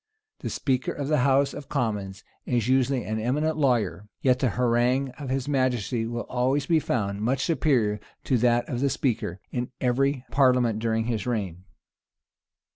The speaker of the house of commons is usually an eminent lawyer; yet the harangue of his majesty will always be found much superior to that of the speaker, in every parliament during this reign.